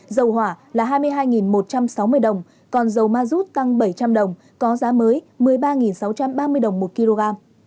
dầu hỏa là hai mươi hai một trăm sáu mươi đồng còn dầu ma rút tăng bảy trăm linh đồng có giá mới một mươi ba sáu trăm ba mươi đồng một kg